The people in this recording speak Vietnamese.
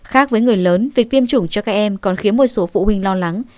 khác với người lớn việc tiêm chủng cho các em còn khiến một số phụ huynh lo lắng